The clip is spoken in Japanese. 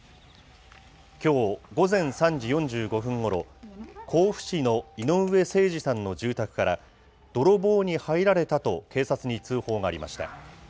きょう午前３時４５分ごろ、甲府市の井上盛司さんの住宅から、泥棒に入られたと警察に通報がありました。